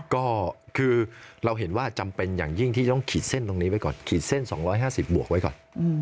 ก็คือเราเห็นว่าจำเป็นอย่างยิ่งที่ต้องขีดเส้นตรงนี้ไว้ก่อนขีดเส้น๒๕๐บวกไว้ก่อน